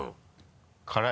辛い？